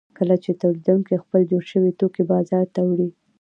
کله چې تولیدونکي خپل جوړ شوي توکي بازار ته وړي